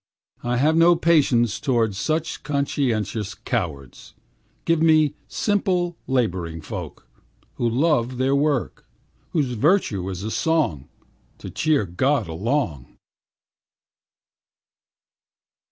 I have no patience towards Such conscientious cowards. Give me simple laboring folk, Who love their work, Whose virtue is song To cheer God along.